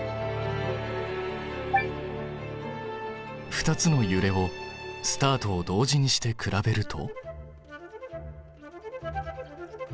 ２つのゆれをスタートを同時にして比べると？